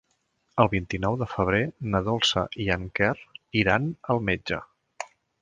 El vint-i-nou de febrer na Dolça i en Quer iran al metge.